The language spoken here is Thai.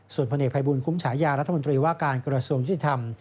ส่วนพลเอกภัยบุญคุ้มฉายารัฐมนตรีว่าการกระทรวงยุติธรรม